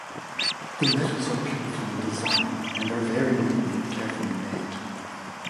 The medals are beautiful in design, and are very neatly and carefully made.